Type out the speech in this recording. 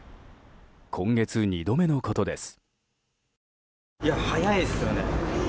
今月２度目のことです。